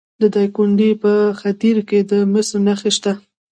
د دایکنډي په خدیر کې د مسو نښې شته.